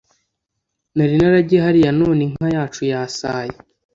nari naragiye hariya none, inka yacu yasaye.